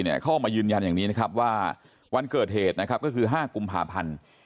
เขาออกมายืนยันอย่างนี้นะครับว่าวันเกิดเหตุนะครับก็คือ๕กุมภาพันธ์